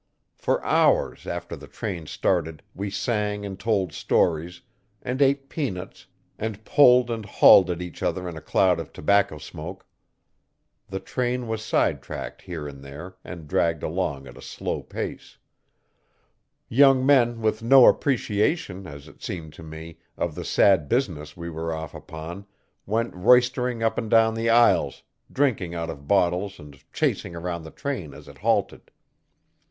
For hours after the train started we sang and told stories, and ate peanuts and pulled and hauled at each other in a cloud of tobacco smoke. The train was sidetracked here and there, and dragged along at a slow pace. Young men with no appreciation, as it seemed to me, of the sad business we were off upon, went roistering up and down the aisles, drinking out of bottles and chasing around the train as it halted.